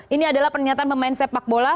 ini adalah pernyataan pemain sepak bola